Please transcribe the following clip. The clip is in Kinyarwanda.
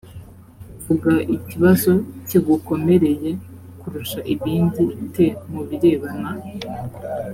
vuga ikibazo kigukomereye kurusha ibindi te mu birebana